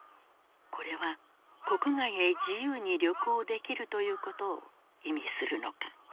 これは国外へ自由に旅行できるということを意味するのか。